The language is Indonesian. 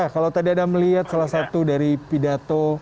kalau tadi anda melihat salah satu dari pidato